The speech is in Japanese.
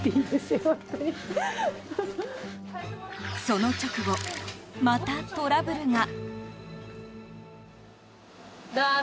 その直後、またトラブルが。